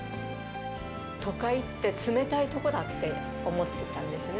都会って冷たいとこだって思ってたんですね。